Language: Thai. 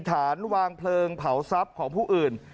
ฐานวางเพลิงเผาทรัพย์ของผู้อื่น